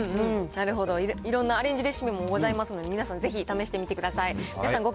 なるほど、いろんなアレンジレシピもございますので、皆さんぜひ試してみてください。